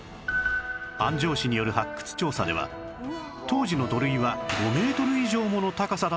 安城市による発掘調査では当時の土塁は５メートル以上もの高さだった事がわかっている